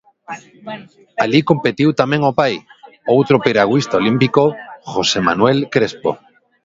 Alí competiu tamén o pai, outro piragüista olímpico, Jose Manuel Crespo.